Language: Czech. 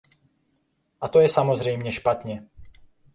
A to je samozřejmě špatně.